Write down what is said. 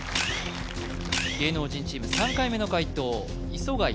芸能人チーム３回目の解答磯貝